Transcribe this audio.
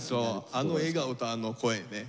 あの笑顔とあの声ね。